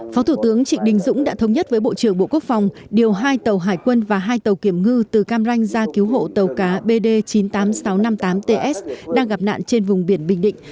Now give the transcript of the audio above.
phó thủ tướng trịnh đình dũng đã thống nhất với bộ trưởng bộ quốc phòng điều hai tàu hải quân và hai tàu kiểm ngư từ cam ranh ra cứu hộ tàu cá bd chín mươi tám nghìn sáu trăm năm mươi tám ts đang gặp nạn trên vùng biển bình định